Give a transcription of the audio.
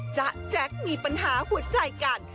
จ๊ะแจ๊กมีปัญหาหัวใจกัน